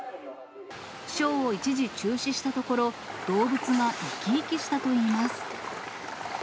ショーを一時中止したところ、動物が生き生きしたといいます。